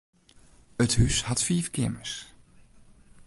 It hús hat fiif keamers.